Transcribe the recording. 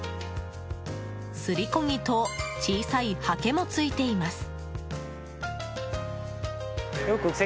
すりこぎと小さいはけもついています。